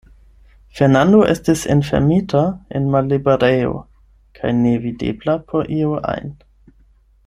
Fernando estis enfermita en malliberejo, kaj nevidebla por iu ajn.